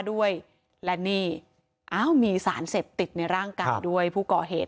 ด้วยและนี่อ้าวมีสารเสพติดในร่างกายด้วยผู้ก่อเหตุ